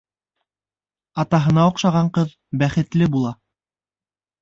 Атаһына оҡшаған ҡыҙ бәхетле була.